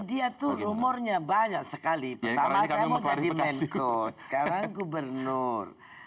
dia tuh umurnya banyak sekali pertama saya mau jadi menko sekarang gubernur